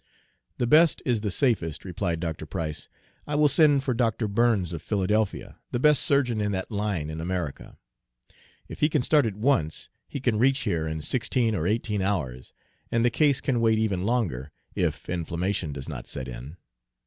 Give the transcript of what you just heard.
"The best is the safest," replied Dr. Price. "I will send for Dr. Burns, of Philadelphia, the best surgeon in that line in America. If he can start at once, he can reach here in sixteen or eighteen hours, and the case can wait even longer, if inflammation does not set in."